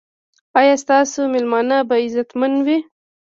ایا ستاسو میلمانه به عزتمن وي؟